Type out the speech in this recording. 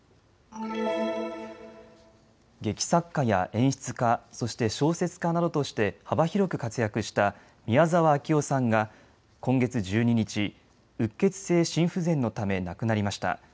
劇作家や演出家、そして小説家などとして幅広く活躍した宮沢章夫さんが今月１２日、うっ血性心不全のため亡くなりました。